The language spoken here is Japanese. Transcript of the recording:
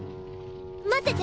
待ってて！